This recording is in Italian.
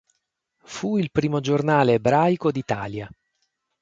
Fu il primo giornale ebraico d'Italia.